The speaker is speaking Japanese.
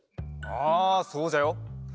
ああそうじゃよ。